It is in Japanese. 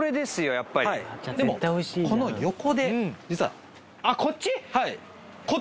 やっぱりはいでもこの横で実はあっこっち？